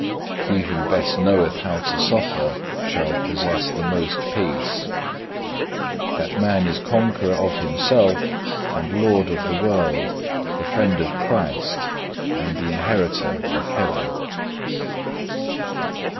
He who best knoweth how to suffer shall possess the most peace; that man is conqueror of himself and lord of the world, the friend of Christ, and the inheritor of heaven.